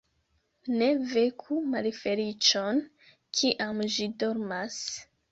Ne veku malfeliĉon, kiam ĝi dormas.